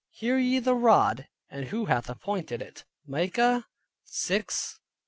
Hear ye the rod, and who hath appointed it" (Micah 6.8 9).